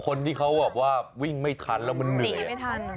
คนที่เขาว่าวิ่งไม่ทันแล้วมันเหนื่อยอ่ะ